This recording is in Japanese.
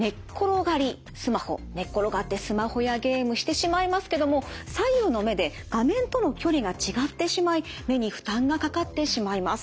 寝っ転がってスマホやゲームしてしまいますけども左右の目で画面との距離が違ってしまい目に負担がかかってしまいます。